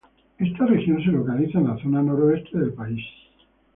Esta región se localiza en la zona noreste del país.